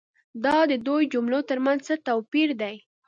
دا دي دوو جملو تر منځ څه توپیر دی؟